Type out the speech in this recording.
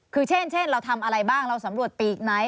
คือเช่นเราทำอะไรบ้างเราสำรวจปีกไหน